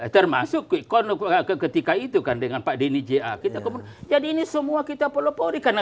termasuk ikonologi ketika itu kan dengan pak dini jahat kita jadi ini semua kita polopori karena